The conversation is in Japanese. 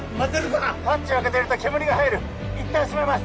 ハッチを開けてると煙が入る一旦閉めます